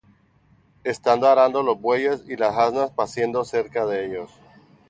Estando arando los bueyes, y las asnas paciendo cerca de ellos,